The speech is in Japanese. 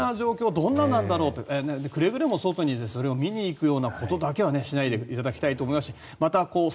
どんなんなんだろうとくれぐれも外にそれを見に行くようなことだけはしないでいただきたいと思いますしまた